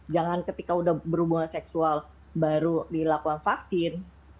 jangan ketika udah berhubungan seksual baru dilakukan vaksin